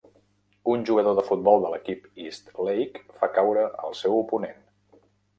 Un jugador de futbol de l'equip East Lake fa caure el seu oponent.